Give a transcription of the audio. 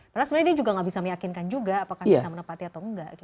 karena sebenarnya dia juga gak bisa meyakinkan juga apakah bisa menepati atau enggak